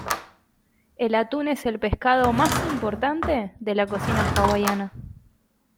El atún es el pescado más importante de la cocina hawaiana.